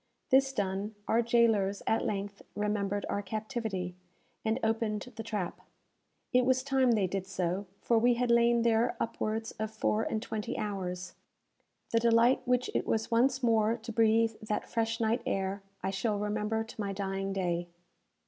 This done, our jailers at length remembered our captivity, and opened the trap. It was time they did so; for we had lain there upwards of four and twenty hours! The delight which it was once more to breathe that fresh night air, I shall remember to my dying day.